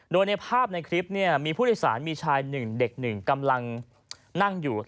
โดยในภาพในคลิปมีผู้โดยสารมีชายหนึ่งเด็ก๑กำลังนั่งอยู่